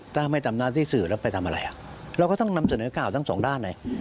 ถ้าไม่ทำหน้าที่สื่อแล้วไปทำอะไรเราก็ต้องนำเสนอข่าวทั้งสองด้านไง